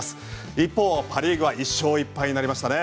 一方、パ・リーグは１勝１敗になりましたね。